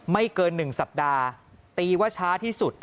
ไม่เกิน๑สัปดาห์ตีว่าช้าที่สุด